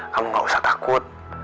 kamu gak usah takut